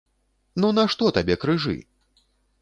Ну нашто табе крыжы?